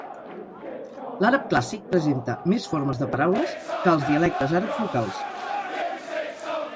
L'àrab clàssic presenta més formes de paraules que els dialectes àrabs locals.